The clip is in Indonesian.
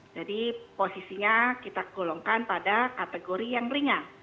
jadi posisinya kita golongkan pada kategori yang ringan